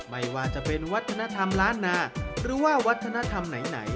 ไม่ว่าจะเป็นวัฒนธรรมล้านนาหรือว่าวัฒนธรรมไหน